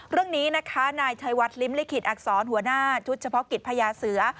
เรื่องนี้นะคะนายชัยวัดลิ้มลิขิตอักษรหัวหน้าชุดเฉพาะกิจพญาเสือ